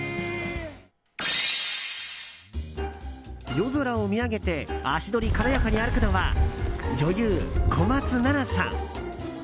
夜空を見上げて足取り軽やかに歩くのは女優・小松菜奈さん。